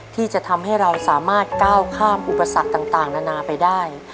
ที่จะทำให้เราสามารถก้าวข้ามอุปสรรคต่างนานาไปได้